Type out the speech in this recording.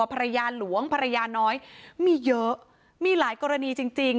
ภรรยาหลวงภรรยาน้อยมีเยอะมีหลายกรณีจริงจริง